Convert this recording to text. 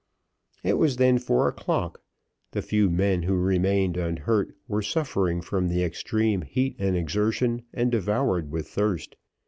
It was then four o'clock, the few men who remained unhurt were suffering from the extreme heat and exertion, and devoured with thirst.